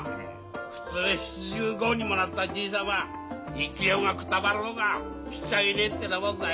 普通７５にもなったじい様生きようがくたばろうが知っちゃいねえってなもんだよ。